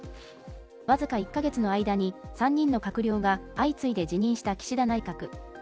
僅か１か月の間に、３人の閣僚が相次いで辞任した岸田内閣。